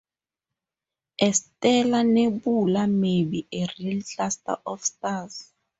A stellar nebula may be a real cluster of stars.